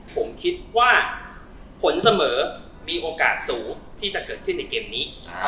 ผมคิดว่าผลเสมอมีโอกาสสูงที่จะเกิดขึ้นในเกมนี้